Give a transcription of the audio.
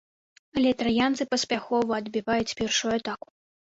Але траянцы паспяхова адбіваюць першую атаку.